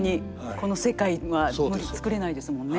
この世界は作れないですもんね。